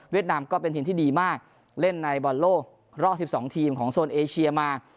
นามก็เป็นทีมที่ดีมากเล่นในบอลโลกรอบ๑๒ทีมของโซนเอเชียมา